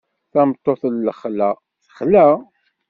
Tameṭṭut n lexla texla.